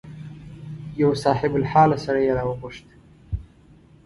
یو صاحب الحاله سړی یې راوغوښت.